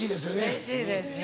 うれしいですね。